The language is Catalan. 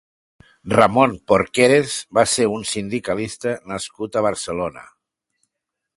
Ramon Porqueras va ser un sindicalista nascut a Barcelona.